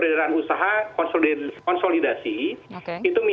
nah dengan tahapan itu oke